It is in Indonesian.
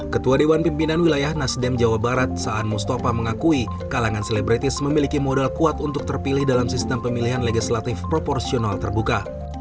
ketua dewan pimpinan wilayah nasdem jawa barat saan mustafa mengakui kalangan selebritis memiliki modal kuat untuk terpilih dalam sistem pemilihan legislatif proporsional terbuka